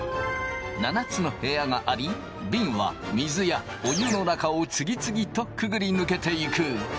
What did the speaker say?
７つの部屋がありびんは水やお湯の中を次々とくぐり抜けていく。